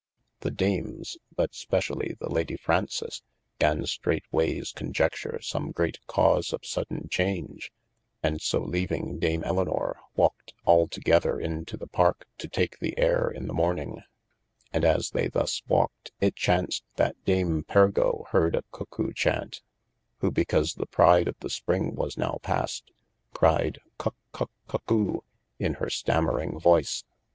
The Dames (but specially the Lady Fraunces) gan streight wayes conjecture some great cause of sodaine chauge, and so leaving dame Elinor, walked altogether into the parke to take the ayre in the morning : And as they thus walked it chauced that Dame Pergo heard a Cuckoe chaunt, who (because the pride of the spring was now past) cried Cuck cuck Cuckoe in hir stamering voyce.